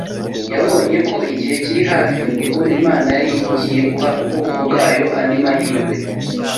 Yabonye ko igihe kiri hafi ubwo Imana yari igiye guha ubwoko bwayo andi mahirwe